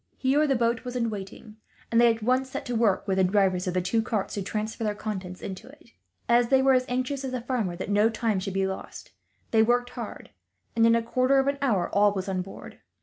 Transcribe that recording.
Here the boat was in waiting, and they at once set to work, with the drivers of the two carts, to transfer their contents to it. As they were as anxious as the farmer that no time should be lost, they worked hard, and in a quarter of an hour all was on board.